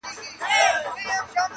اوس یې تر پاڼو بلبلکي په ټولۍ نه راځي!.